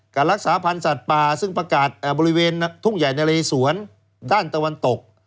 การรักษาพันธ์สัตว์ป่าซึ่งประกาศบริเวณทุ่งใหญ่นะเลสวนด้านตะวันตก